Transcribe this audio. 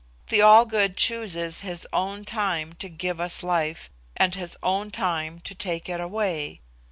The All Good chooses His own time to give us life, and his own time to take it away.